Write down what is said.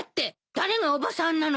誰がおばさんなのよ。